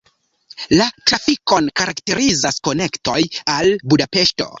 La trafikon karakterizas konektoj al Budapeŝto.